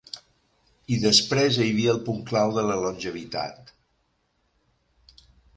I després hi havia el punt clau de la longevitat.